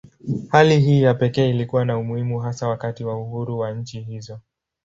Hali hii ya pekee ilikuwa na umuhimu hasa wakati wa uhuru wa nchi hizo.